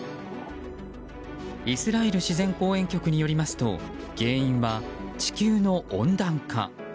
イスラエル自然公園局によりますと原因は地球の温暖化。